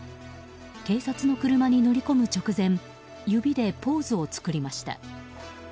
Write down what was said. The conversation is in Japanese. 警察の車に乗り込む直前指でポーズを作りました。